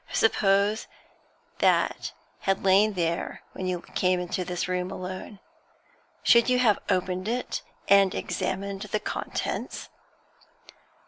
'Suppose that had lain there when you came into this room alone. Should you have opened it and examined the contents?'